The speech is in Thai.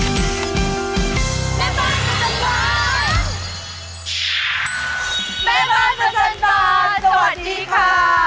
แม่บ้านประจำตอนสวัสดีค่ะ